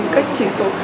cách chỉ số